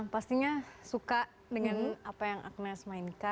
pastinya suka dengan apa yang agnes mainkan